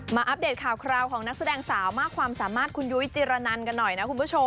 อัปเดตข่าวคราวของนักแสดงสาวมากความสามารถคุณยุ้ยจิรนันกันหน่อยนะคุณผู้ชม